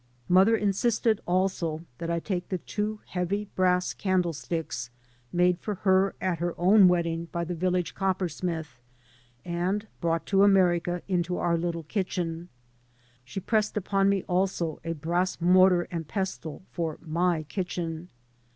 Mother insisted also that I take the two heavy brass candle sticks made for her at her own wedding by the village coppersmith, and brought to America into our little kitchen. She pressed upon me also a brass mortar and pestle for " my kitchen."